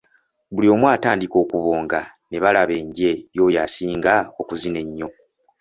Buli omu atandika okubonga ne balaba enje y'oyo esinga okuzina ennyo.